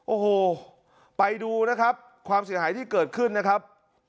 โอ้โหไปดูนะครับความเสียหายที่เกิดขึ้นนะครับ